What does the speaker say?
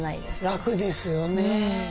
楽ですよね。